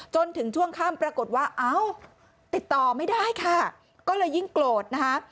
จนถึงช่วงค่ำปรากฏว่าเอ้าติดต่อไม่ได้ค่ะก็เลยยิ่งโกรธนะคะ